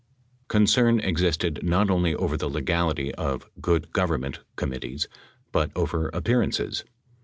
Concern existed not only over the legality of "good government" committees, but over appearances.